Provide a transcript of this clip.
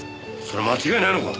それ間違いないのか？